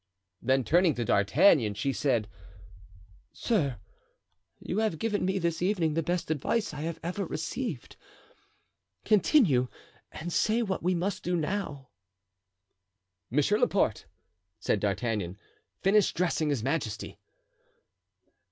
Then turning to D'Artagnan, she said: "Sir, you have given me this evening the best advice I have ever received. Continue, and say what we must do now." "Monsieur Laporte," said D'Artagnan, "finish dressing his majesty."